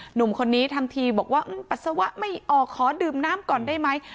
หนุ่มคนนี้ทำทีบอกว่าปัสสาวะไม่ออกขอดื่มน้ำก่อนได้ไหม